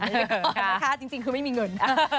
นะคะจริงคือไม่มีเงิน